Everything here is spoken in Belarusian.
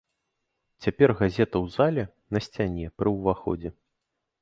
Цяпер газета ў зале на сцяне пры ўваходзе.